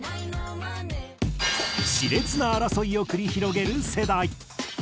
熾烈な争いを繰り広げる世代。